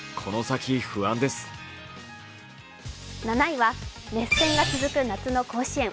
７位は熱戦が続く夏の甲子園。